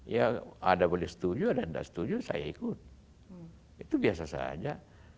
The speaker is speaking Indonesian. ya ada boleh setuju ada yang tidak setuju saya ikut itu biasa saja